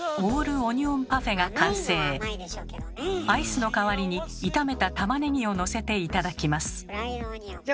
アイスの代わりに炒めたたまねぎをのせて頂きます。